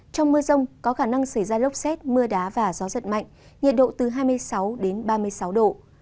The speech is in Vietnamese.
trong mưa rông có khả năng xảy ra lốc xét mưa đá và gió giật mạnh nhiệt độ từ hai mươi sáu đến ba mươi sáu độ